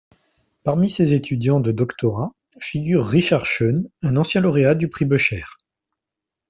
Parmi ses étudiants de doctorat figure Richard Schoen, un ancien lauréat du prix Bôcher.